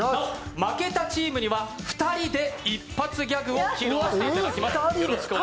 負けたチームには２人で一発ギャグを披露していただきます。